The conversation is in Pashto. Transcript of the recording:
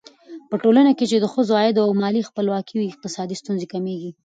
په ټولنه کې چې د ښځو عايد او مالي خپلواکي وي، اقتصادي ستونزې کمېږي.